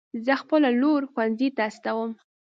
زه خپله لور ښوونځي ته استوم